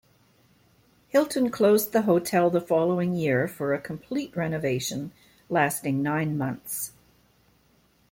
Hilton closed the hotel the following year for a complete renovation, lasting nine months.